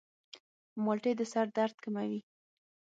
مالټې د سر درد کموي.